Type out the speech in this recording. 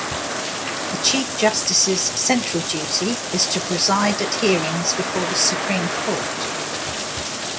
The Chief Justice's central duty is to preside at hearings before the Supreme Court.